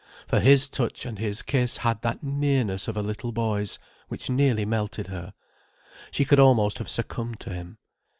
For his touch and his kiss had that nearness of a little boy's, which nearly melted her. She could almost have succumbed to him.